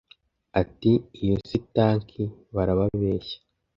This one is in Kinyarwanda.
Ati: "Iyo si tanki barababeshya!